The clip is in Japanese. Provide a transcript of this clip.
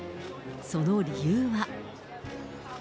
その理由は。